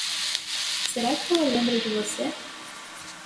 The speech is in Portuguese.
Será que ela lembra de você?